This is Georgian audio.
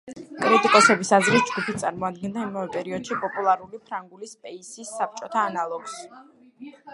კრიტიკოსების აზრით, ჯგუფი წარმოადგენდა იმავე პერიოდში პოპულარული ფრანგული „სპეისის“ საბჭოთა ანალოგს.